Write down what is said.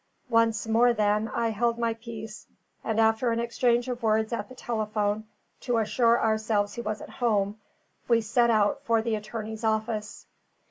Once more, then, I held my peace; and after an exchange of words at the telephone to assure ourselves he was at home, we set out for the attorney's office.